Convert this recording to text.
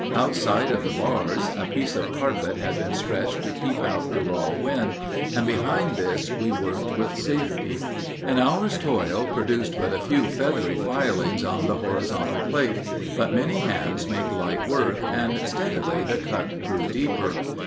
Outside of the bars a piece of carpet had been stretched to keep out the raw wind, and behind this we worked with safety. An hour's toil produced but a few feathery filings on the horizontal plate, but many hands make light work, and steadily the cut grew deeper.